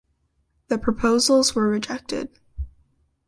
The proposals were rejected.